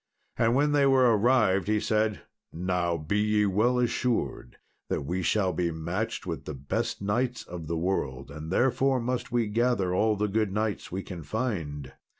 And when they were arrived he said, "Now be ye well assured that we shall be matched with the best knights of the world, and therefore must we gather all the good knights we can find."